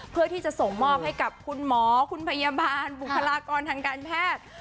เพื่อที่จะส่งมอบให้หมอพยาบาลบูฮารากรทางการแพทย์